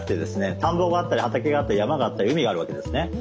田んぼがあったり畑があったり山があったり海があるわけですね。